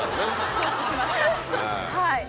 承知しましたはい。